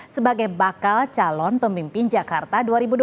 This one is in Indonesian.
sebagai bakal calon pemimpin jakarta dua ribu dua puluh empat